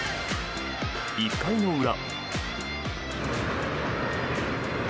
１回の裏。